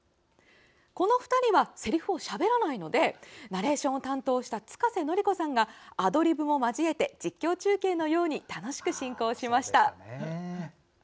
この２人はせりふをしゃべらないのでナレ―ションを担当したつかせのりこさんがアドリブも交えて実況中継のように楽しく進行しました。